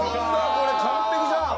これ完璧じゃん